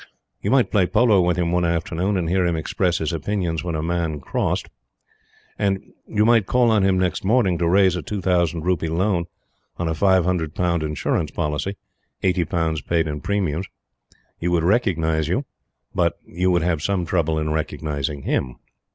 You might play polo with him one afternoon and hear him express his opinions when a man crossed; and you might call on him next morning to raise a two thousand rupee loan on a five hundred pound insurance policy, eighty pounds paid in premiums. He would recognize you, but you would have some trouble in recognizing him.